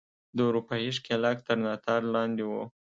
د اروپايي ښکېلاک تر ناتار لاندې وو.